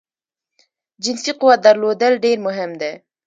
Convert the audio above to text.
جنسی قوت درلودل ډیر مهم دی